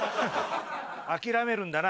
諦めるんだな。